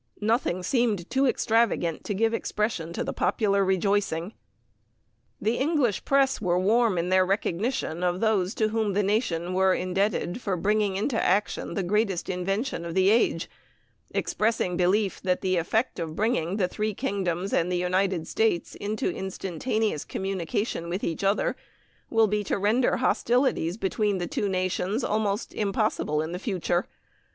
Nothing seemed too extravagant to give expression to the popular rejoicing. The English press were warm in their recognition of those to whom the nation were "indebted for bringing into action the greatest invention of the age," expressing belief that "the effect of bringing the three kingdoms and the United States into instantaneous communication with each other will be to render hostilities between the two nations almost impossible for the future."